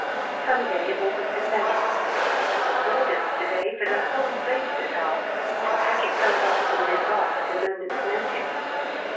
Sunday, August 30th. Orders to day for the whole Base at Havre to pack itself up and embark at a moment's notice.